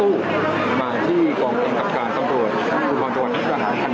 ถูกมาที่กองกำกัดการสำรวจคุณความจัดการทางคุณนะครับ